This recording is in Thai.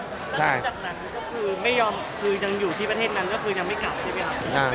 แล้วจากนั้นก็คือยังอยู่ที่ประเทศนั้นก็คือยังไม่กลับใช่ไหมครับ